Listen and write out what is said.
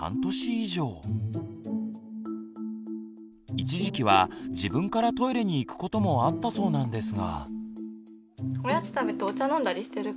一時期は自分からトイレに行くこともあったそうなんですが。